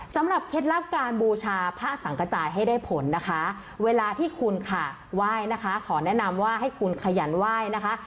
เคล็ดลับการบูชาพระสังกระจายให้ได้ผลนะคะเวลาที่คุณค่ะไหว้นะคะขอแนะนำว่าให้คุณขยันไหว้นะคะ